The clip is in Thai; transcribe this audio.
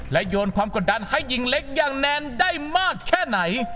โยนความกดดันให้หญิงเล็กอย่างแนนได้มากแค่ไหน